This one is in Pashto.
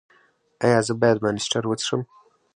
ایا زه باید مانسټر وڅښم؟